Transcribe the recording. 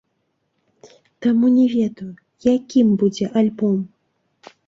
Таму не ведаю, якім будзе альбом.